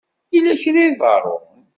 Yella kra i d-iḍerrun?